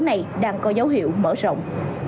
hố này đang có dấu hiệu mở rộng